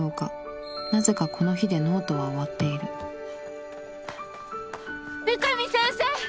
なぜかこの日でノートは終わっている三上先生！